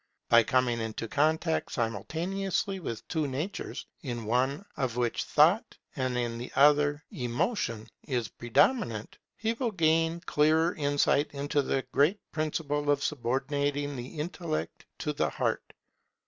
By coming into contact simultaneously with two natures, in one of which thought, and in the other emotion, is predominant, he will gain clearer insight into the great principle of subordinating the intellect to the heart.